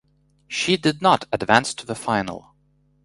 She did not advance to the final.